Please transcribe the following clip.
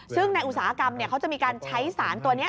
ซึ่งในอุตสาหกรรมเขาจะมีการใช้สารตัวนี้